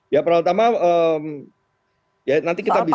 ya terutama nanti kita bisa